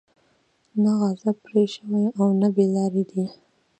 نه غضب پرې شوى او نه بې لاري دي.